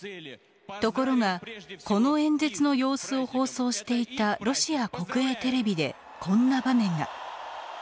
ところがこの演説の様子を放送していたロシア国営テレビでこんな場面が。